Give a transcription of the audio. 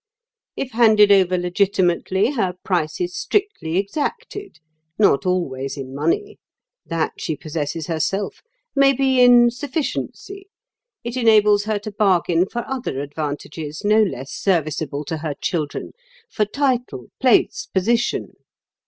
If handed over legitimately, her price is strictly exacted, not always in money—that she possesses herself, maybe in sufficiency; it enables her to bargain for other advantages no less serviceable to her children—for title, place, position.